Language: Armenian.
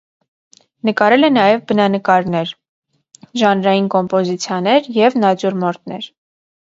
Նկարել է նաև բնանկարներ, ժանրային կոմպոզիցիաներ և նատյուրմորտներ։